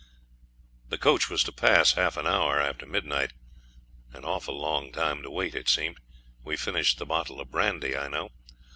The coach was to pass half an hour after midnight. An awful long time to wait, it seemed. We finished the bottle of brandy, I know.